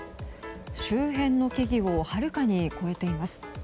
周辺の木々をはるかに越えています。